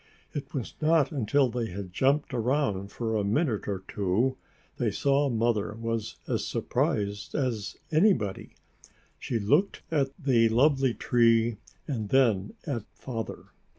It was not until they had jumped around for a minute or two that they saw Mother was as surprised as anybody. She looked at the lovely tree and then at Father.